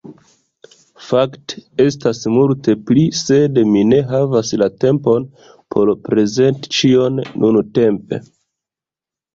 Fakte, estas multe pli sed mi ne havas la tempon por prezenti ĉion nuntempe